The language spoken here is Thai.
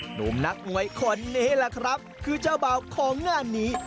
หนุ่มนักมวยคนนี้แหละครับคือเจ้าบ่าวของงานนี้